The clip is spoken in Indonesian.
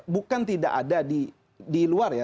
bukan tidak ada di luar ya